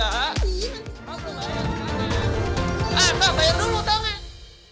ah mbak bayar dulu tangan